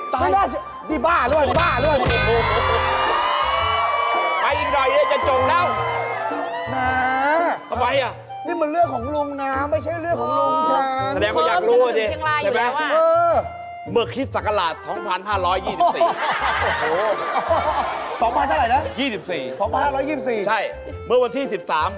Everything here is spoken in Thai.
ทำไม